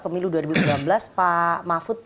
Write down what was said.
pemilu dua ribu sembilan belas pak mahfud